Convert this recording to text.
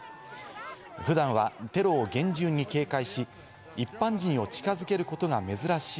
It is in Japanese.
普段はテロを厳重に警戒し、一般人を近づけることが珍しい